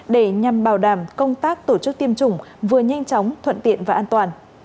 để nhằm bảo đảm công tác tổ chức tiêm chủng vừa nhanh chóng thuận tiện và an toàn